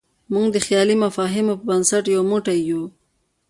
موږ د خیالي مفاهیمو په بنسټ یو موټی یو.